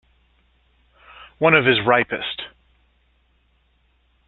One of his ripest.